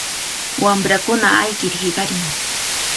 Wamrakuna ayqir hiqarin.